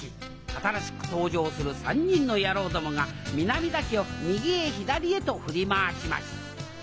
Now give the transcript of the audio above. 新しく登場する３人の野郎どもが南田家を右へ左へと振り回します